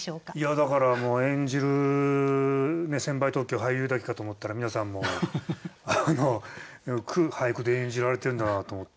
だから演じる専売特許俳優だけかと思ったら皆さんも句俳句で演じられてるんだと思って。